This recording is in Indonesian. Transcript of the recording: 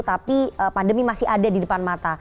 tapi pandemi masih ada di depan mata